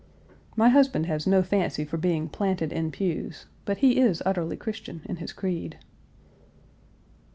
" My husband has no fancy for being planted in pews, but he is utterly Christian in his creed.